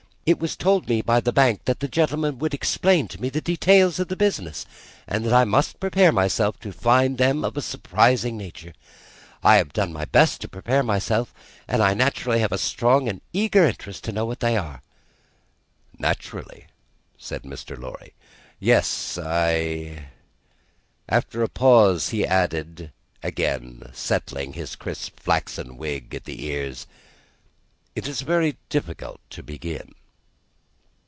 It was told me by the Bank that the gentleman would explain to me the details of the business, and that I must prepare myself to find them of a surprising nature. I have done my best to prepare myself, and I naturally have a strong and eager interest to know what they are." "Naturally," said Mr. Lorry. "Yes I " After a pause, he added, again settling the crisp flaxen wig at the ears, "It is very difficult to begin."